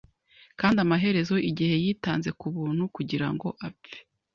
kandi amaherezo igihe yitanze kubuntu kugirango apfe